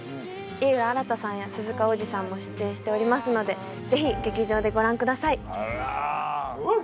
井浦新さんや鈴鹿央士さんも出演しておりますのでぜひ劇場でご覧ください